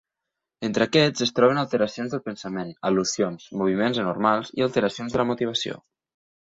Entre aquests es troben alteracions del pensament, al·lucinacions, moviments anormals i alteracions de la motivació.